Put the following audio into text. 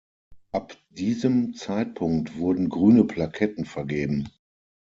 Ab diesem Zeitpunkt wurden grüne Plaketten vergeben.